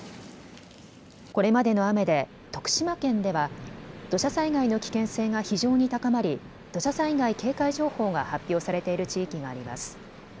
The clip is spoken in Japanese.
これまでの雨で徳島県では土砂災害の危険性が非常に高まり土砂災害警戒情報が発表されている地域があります。